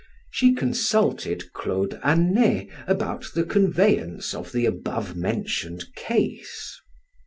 She consulted Claude Anet about the conveyance of the above mentioned case.